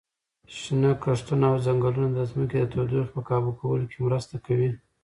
شنه کښتونه او ځنګلونه د ځمکې د تودوخې په کابو کولو کې مرسته کوي.